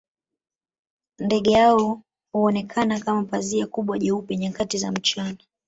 Ndege hao huonekana kama pazia kubwa jeupe nyakati za mchana